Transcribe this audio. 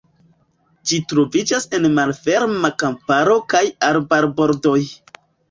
Ĝi troviĝas en malferma kamparo kaj arbarbordoj.